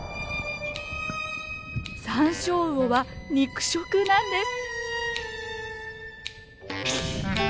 サンショウウオは肉食なんです。